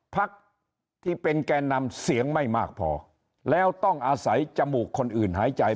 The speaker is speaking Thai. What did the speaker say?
พักที่เป็นแก่นำเสียงไม่มากพอแล้วต้องอาศัยจมูกคนอื่นหายใจ